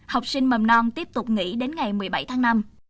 học sinh mầm non tiếp tục nghỉ đến ngày một mươi bảy tháng năm